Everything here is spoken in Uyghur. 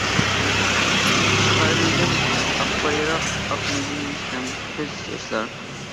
چىقارمىدىم ئاق بايراق، ئاقمىدى ھەم كۆز ياشلار.